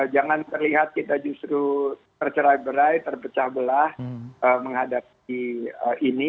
jangan terlihat kita justru tercerai berai terpecah belah menghadapi ini